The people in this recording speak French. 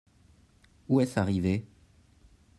Où est-ce arrivé ?